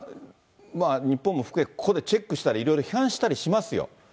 日本も含め、ここでチェックしたりいろいろ批判したりしますよ。